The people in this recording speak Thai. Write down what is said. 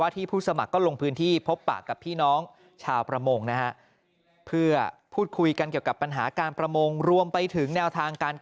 ที่สมุทรสงครามครับ